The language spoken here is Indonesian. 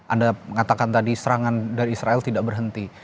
anda mengatakan tadi serangan dari israel tidak berhenti